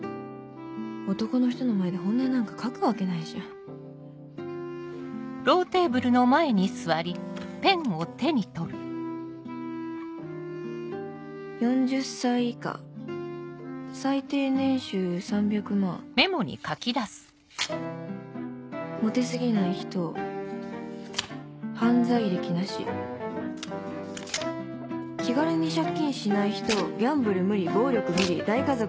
男の人の前で本音なんか書くわけないじゃん４０歳以下最低年収３００万モテ過ぎない人犯罪歴なし気軽に借金しない人ギャンブル無理暴力無理大家族ＮＧ